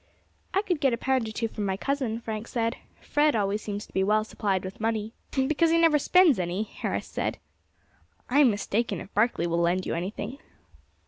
"I could get a pound or two from my cousin," Frank said; "Fred always seems to be well supplied with money." "Because he never spends any," Harris said. "I am mistaken if Barkley will lend you anything."